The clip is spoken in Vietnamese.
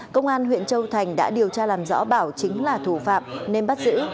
công an huyện châu thành đã điều tra làm rõ bảo chính là thủ phạm nên bắt giữ